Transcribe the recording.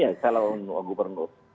ya saya lalu menurut